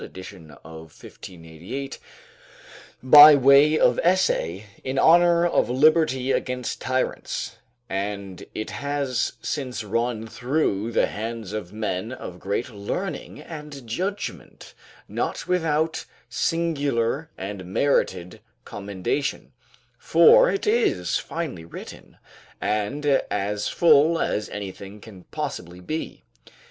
Edition of 1588.] by way of essay, in honour of liberty against tyrants; and it has since run through the hands of men of great learning and judgment, not without singular and merited commendation; for it is finely written, and as full as anything can possibly be.